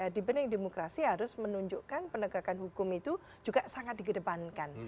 dibanding demokrasi harus menunjukkan penegakan hukum itu juga sangat dikedepankan